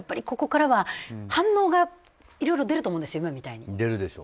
ここからは反応がいろいろ出ると思うんです今みたいに。